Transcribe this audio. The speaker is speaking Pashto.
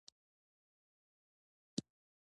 افغانستان ولې په ولایتونو ویشل شوی؟